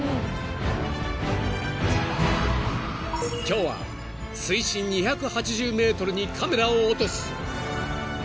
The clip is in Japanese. ［今日は水深２８０ｍにカメラを落とす］